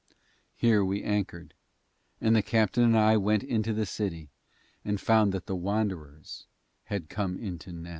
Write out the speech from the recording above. Here we anchored, and the captain and I went up into the city and found that the Wanderers had come into Nen.